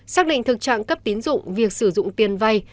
xác định thực trạng cấp tín dụng việc sử dụng tiền vay